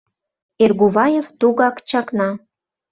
Эргуваев тугак чакна.